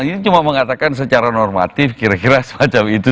ini cuma mengatakan secara normatif kira kira semacam itu